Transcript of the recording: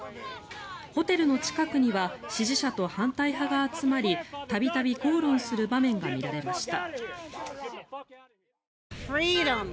ホテルの近くには支持者と反対派が集まり度々口論する場面が見られました。